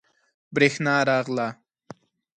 بریښنا راغله